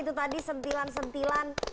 itu tadi sentilan sentilan